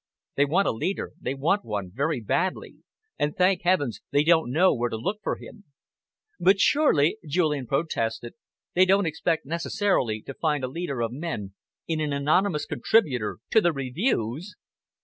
They want a leader they want one very badly and thank heavens they don't know where to look for him!" "But surely," Julian protested, "they don't expect necessarily to find a leader of men in an anonymous contributor to the Reviews?